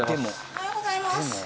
おはようございます。